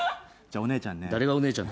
じゃあお姉ちゃんね。